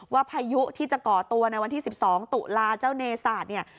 พายุที่จะก่อตัวในวันที่๑๒ตุลาเจ้าเนศาสตร์เนี่ย